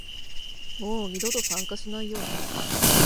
もう二度と参加しないよ